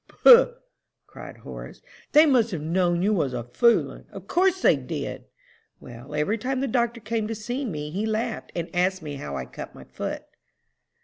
"Poh!" cried Horace, "they must have known you was a foolin'; of course they did!" "Well, every time the doctor came to see me, he laughed and asked me how I cut my foot."